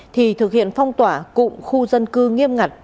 thì thực hiện phong tỏa cụm khu dân cư nghiêm ngặt